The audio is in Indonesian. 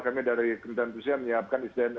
kami dari kementerian sosial menyiapkan sdm